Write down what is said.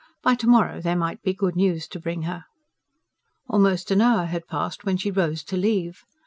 By to morrow there might be good news to bring her. Almost an hour had passed when she rose to leave.